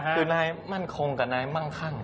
คือนายมั่นคงกับนายมั่งคั่ง